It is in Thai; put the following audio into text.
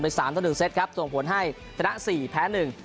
สามต่อหนึ่งเซตครับส่งผลให้ชนะสี่แพ้หนึ่ง